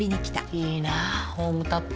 いいなホームタップ。